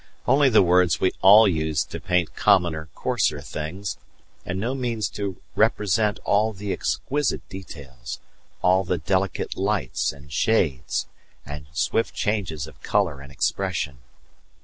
only the words we all use to paint commoner, coarser things, and no means to represent all the exquisite details, all the delicate lights, and shades, and swift changes of colour and expression.